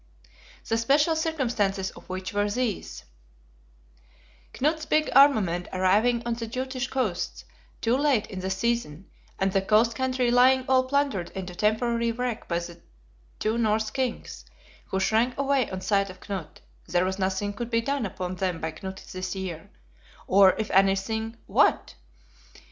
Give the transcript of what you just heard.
The special circumstances of which were these: Knut's big armament arriving on the Jutish coasts too late in the season, and the coast country lying all plundered into temporary wreck by the two Norse kings, who shrank away on sight of Knut, there was nothing could be done upon them by Knut this year, or, if anything, what?